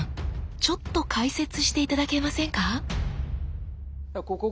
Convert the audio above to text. ちょっと解説して頂けませんか？